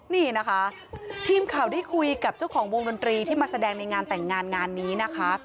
นี่นะคะทีมข่าวได้คุยกับเจ้าของวงดนตรีที่มาแสดงในงานแต่งงานงานนี้นะคะ